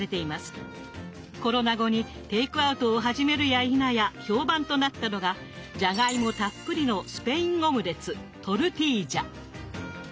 コロナ後にテイクアウトを始めるやいなや評判となったのがじゃがいもたっぷりのスペインオムレツ